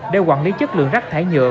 để quản lý chất lượng rác thải nhựa